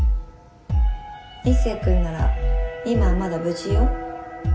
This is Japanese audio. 壱成君なら今はまだ無事よ